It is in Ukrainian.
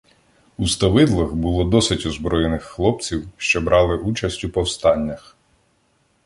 У Ставидлах було досить озброєних хлопців, що брали участь у повстаннях.